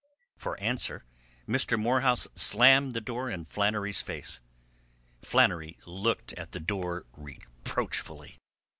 For answer Mr. Morehouse slammed the door in Flannery's face. Flannery looked at the door reproachfully.